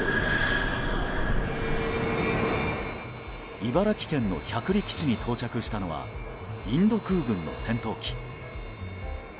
茨城県の百里基地に到着したのはインド空軍の戦闘機。